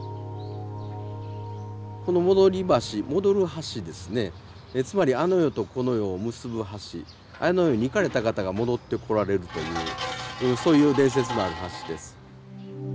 この戻橋戻る橋ですねつまりあの世に行かれた方が戻ってこられるというそういう伝説のある橋です。